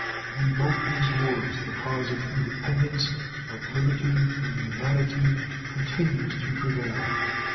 In both these wars the cause of independence, of liberty and humanity, continues to prevail.